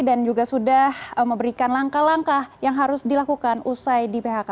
dan juga sudah memberikan langkah langkah yang harus dilakukan usai di phk